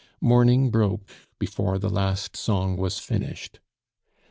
Morning broke before the last song was finished.